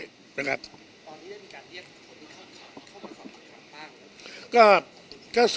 ตอนนี้ได้มีการเรียกคนที่เข้ามาสอบประกันบ้าง